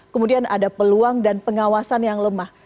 kemudian ada peluang dan pengawasan yang lemah